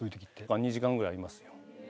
２時間ぐらいいますよ。